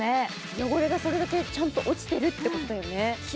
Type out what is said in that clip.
汚れがそれだけちゃんと落ちているってことよね。